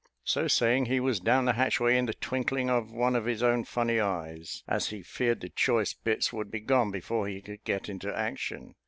So saying, he was down the hatchway in the twinkling of one of his own funny eyes, as he feared the choice bits would be gone before he could get into action.